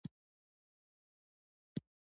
د ځمکې د رطوبت اندازه څنګه معلومه کړم؟